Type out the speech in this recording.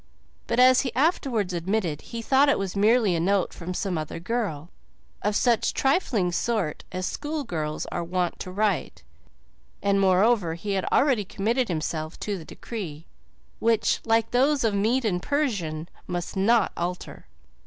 But, as he afterwards admitted, he thought it was merely a note from some other girl, of such trifling sort as school girls are wont to write; and moreover, he had already committed himself to the decree, which, like those of Mede and Persian, must not alter.